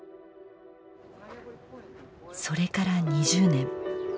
それから２０年。